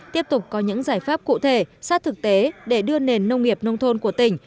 tiếp tục có những giải pháp cụ thể sát thực tế để đưa nền nông nghiệp nông thôn của tỉnh